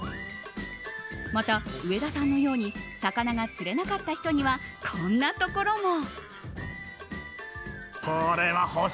また、上田さんのように魚が釣れなかった人にはこんなところも。